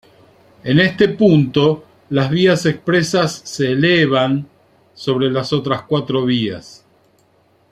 En este punto, las vías expresas se "elevan" sobre las otras cuatro vías.